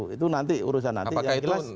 itu nanti urusan nanti yang jelas